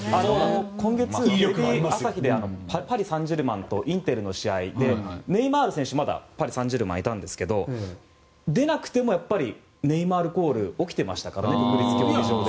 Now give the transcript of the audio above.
今月、テレビ朝日でパリ・サンジェルマンとインテルの試合でネイマール選手はまだパリ・サンジェルマンにいましたが出なくてもやっぱりネイマールコールが起きていましたから国立競技場で。